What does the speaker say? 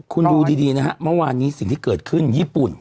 คุณดูดีนะฮะเมื่อวานนี้สิ่งที่เกิดขึ้นญี่ปุ่น